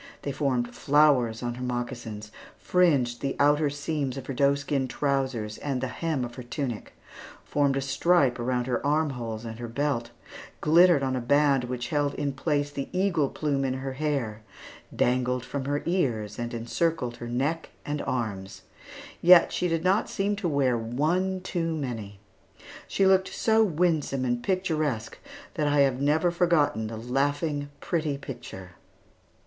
They formed flowers on her moccasins; fringed the outer seams of her doeskin trousers and the hem of her tunic; formed a stripe around her arm holes and her belt; glittered on a band which held in place the eagle plume in her hair; dangled from her ears; and encircled her neck and arms. Yet she did not seem to wear one too many. She looked so winsome and picturesque that I have never forgotten the laughing, pretty picture.